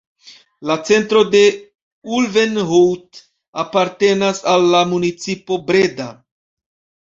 La centro de Ulvenhout apartenas al la municipo Breda.